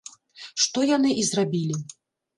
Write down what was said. Што яны і зрабілі.